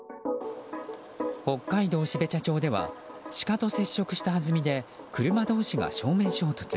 北海道の標茶町ではシカと接触したはずみで車同士が正面衝突。